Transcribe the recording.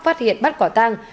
phát hiện bắt quả tăng